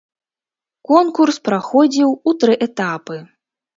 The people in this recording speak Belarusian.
Конкурс праходзіў у тры этапы.